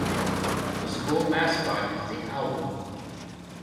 The school mascot is the owl.